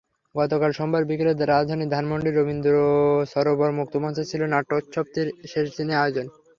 গতকাল সোমবার বিকেলে রাজধানীর ধানমন্ডির রবীন্দ্রসরোবর মুক্তমঞ্চে ছিল নাট্যোৎসবটির শেষ দিনের আয়োজন।